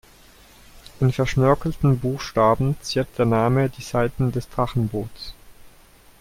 In verschnörkelten Buchstaben ziert der Name die Seiten des Drachenboots.